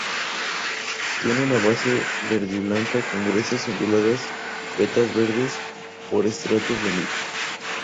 Tiene una base verdiblanca, con gruesas y onduladas vetas verdes, por estratos de mica.